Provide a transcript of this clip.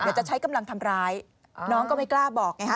จะใช้กำลังทำร้ายน้องก็ไม่กล้าบอกไงฮะ